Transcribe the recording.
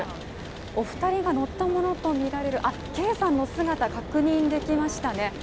お二人が乗ったものとみられる圭さんの姿が確認できましたね。